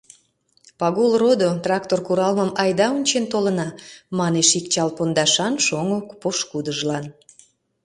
— Пагул родо, трактор куралмым айда ончен толына, — манеш ик чал пондашан шоҥго пошкудыжлан.